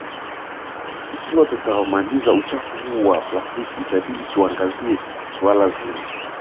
Ikiwa tutamaliza uchafu huu wa plastiki itabidi tuangazie suala zima